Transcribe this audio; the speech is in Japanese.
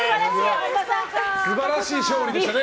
素晴らしい勝利でしたね。